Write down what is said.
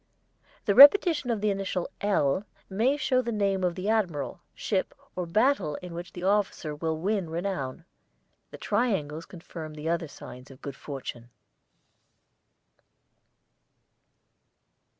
The repetition of the initial 'L' may show the name of the admiral, ship, or battle in which the officer will win renown. The triangles confirm the other signs of good fortune.